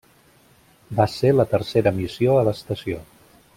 Va ser la tercera missió a l'estació.